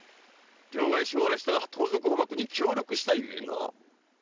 両替商を荒らした盗賊捕縛に協力したゆえな。